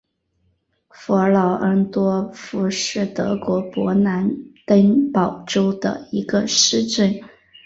弗劳恩多夫是德国勃兰登堡州的一个市镇。